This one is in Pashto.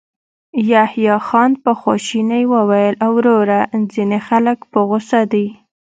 يحيی خان په خواشينۍ وويل: وروره، ځينې خلک په غوسه دي.